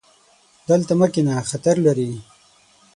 دلته مه کښېنه، خطر لري